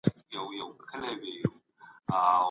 احساسات د بدن پيغام دی.